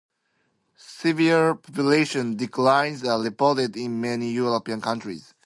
Severe population declines are reported in many European countries.